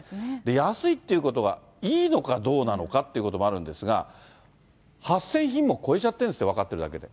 安いっていうことは、いいのかどうなのかってこともあるんですが、８０００品目超えちゃってるんですよ、分かってるだけで。